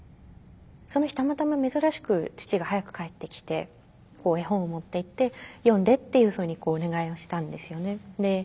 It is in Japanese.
その日たまたま珍しく父が早く帰ってきて絵本を持っていって読んでっていうふうにお願いをしたんですよね。